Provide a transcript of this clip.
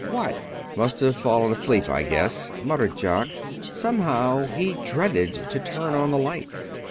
What " "Must have fallen asleep, I guess," muttered Jock. Somehow he dreaded to turn on the lights.